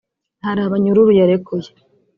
hari abanyururu yarekuye